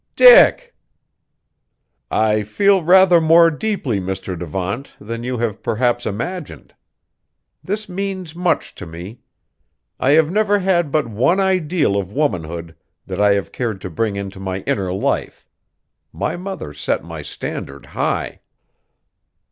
"Dick!" "I feel rather more deeply, Mr. Devant, than you have, perhaps, imagined. This means much to me. I have never had but one ideal of womanhood that I have cared to bring into my inner life. My mother set my standard high."